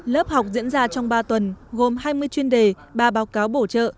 lớp học diễn ra trong ba tuần gồm hai mươi chuyên đề ba báo cáo bổ trợ